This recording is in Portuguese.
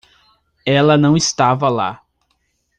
Ela não estava lá.